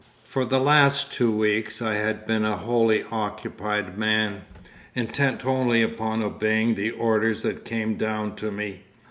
'For the last two weeks I had been a wholly occupied man, intent only upon obeying the orders that came down to me.